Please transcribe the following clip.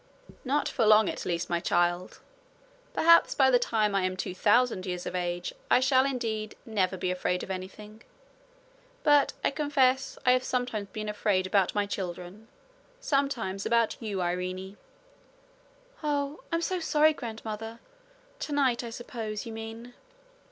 'Not for long, at least, my child. Perhaps by the time I am two thousand years of age, I shall, indeed, never be afraid of anything. But I confess I have sometimes been afraid about my children sometimes about you, Irene.' 'Oh, I'm so sorry, grandmother! Tonight, I suppose, you mean.'